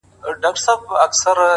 ښکلي آواز دي زما سړو وینو ته اور ورکړی؛